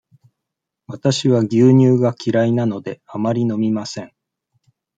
わたしは牛乳が嫌いなので、あまり飲みません。